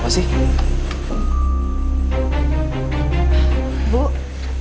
pada saat grim ya memeraya nih parpeh miya